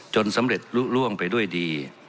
จนสำเร็จลุกล่วงไปด้วยดี